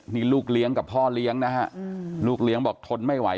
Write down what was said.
นี่ลูกเลี้ยงกับพ่อเลี้ยงนะฮะลูกเลี้ยงบอกทนไม่ไหว